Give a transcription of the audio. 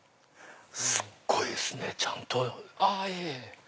すっごいですねちゃんと。